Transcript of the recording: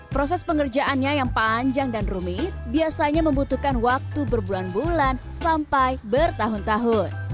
proses pengerjaannya yang panjang dan rumit biasanya membutuhkan waktu berbulan bulan sampai bertahun tahun